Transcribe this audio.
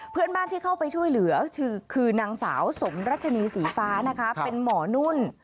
เพื่อนบ้านที่เข้าไปช่วยเหลือคือนางสาวสมรัชนีสีฟ้านะคะเป็นหมอนุ่น